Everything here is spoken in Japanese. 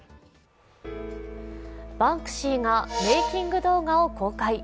バンクシーがメーキング動画を公開。